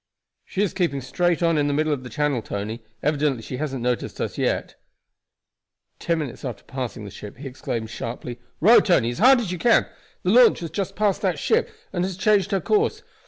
"She is keeping straight on in the middle of the channel, Tony; evidently she hasn't noticed us yet." Ten minutes after passing the ship he exclaimed sharply: "Row, Tony, as hard as you can; the launch has just passed that ship, and has changed her course.